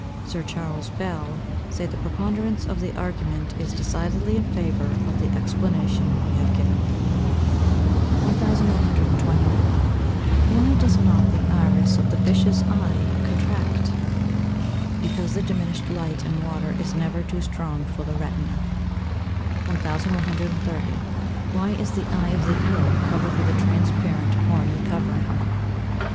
Sir Charles Bell says the preponderance of the argument is decidedly in favour of the explanation we have given. 1129. Why does not the iris of the fish's eye contract? Because the diminished light in water is never too strong for the retina. 1130. _Why is the eye of the eel covered with a transparent horny covering?